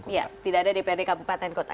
iya tidak ada dprd kabupaten kota